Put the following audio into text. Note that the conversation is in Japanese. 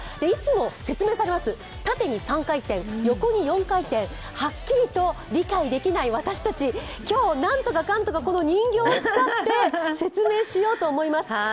いつも説明されます、縦に３回転、横に４回転、はっきりと理解できない私たち、今日、なんとかかんとかこの人形を使って説明しようと思います。